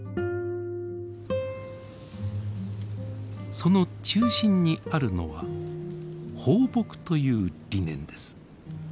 その中心にあるのは「抱樸」という理念です。